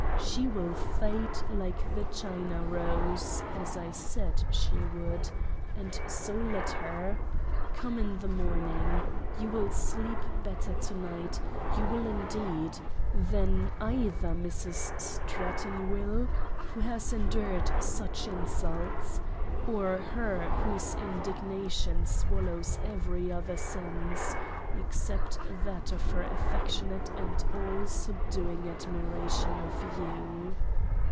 — She will fade like the China Rose, as I said she would and so let her. Come in the Morning. You will Sleep better to night, you will indeed, than either Mrs. Stratton will, who has endured such insults; or her whose Indig nation swallows every other sense — except that of her affectionate and all subduing Admiration of You.